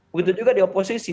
begitu juga di oposisi